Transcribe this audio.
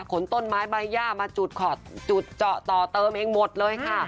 ขนต้นไม้ใบย่ามาจุดเจาะต่อเติมเองหมดเลยค่ะ